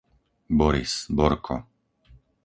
Boris, Borko